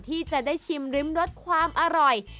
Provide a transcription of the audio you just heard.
ที่จะได้ชิมริมรสความอร่อย